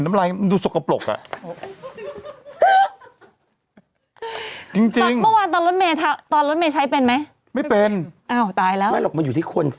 ไม่หรอกมันอยู่ที่ควร